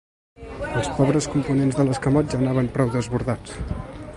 Els pobres components de l'escamot ja anaven prou desbordats.